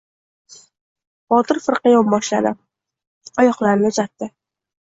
Botir firqa yonboshladi. Oyoqlarini uzatdi.